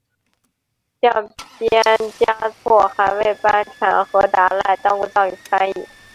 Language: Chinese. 降边嘉措还为班禅和达赖当过藏语翻译。